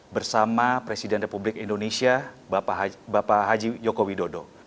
bersama presiden republik indonesia bapak haji joko widodo